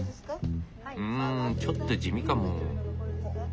んちょっと地味かも。